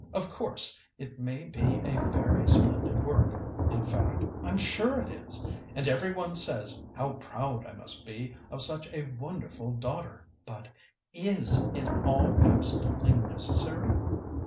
Of course, it may be a very splendid work in fact, I'm sure it is, and every one says how proud I must be of such a wonderful daughter but is it all absolutely necessary?"